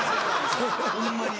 ホンマに。